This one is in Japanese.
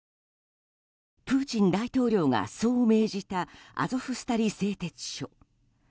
プーチン大統領がそう命じたアゾフスタリ製鉄所。